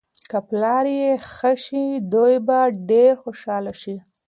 که پلار یې ښه شي، دوی به ډېر خوشحاله شي.